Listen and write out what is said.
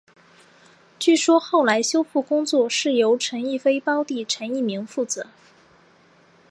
据说后来的修复工作是由陈逸飞胞弟陈逸鸣负责。